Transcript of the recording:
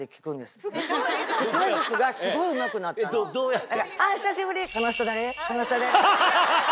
どうやって？